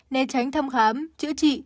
nên tránh thăm khám chữa trị